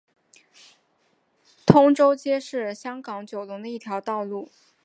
通州街是香港九龙的一条道路。